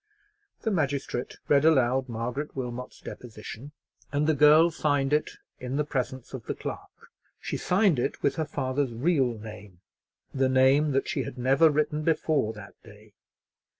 The magistrate read aloud Margaret Wilmot's deposition, and the girl signed it in the presence of the clerk; she signed it with her father's real name, the name that she had never written before that day.